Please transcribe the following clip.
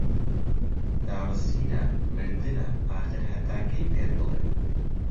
داڕزینە، مردنە، ئاخر هەتا کەی پێت بڵێن